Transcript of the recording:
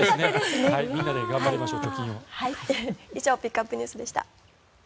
みんなで貯金を頑張りましょう。